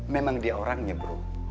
memang dia orangnya bro